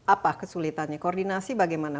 apa kesulitannya koordinasi bagaimana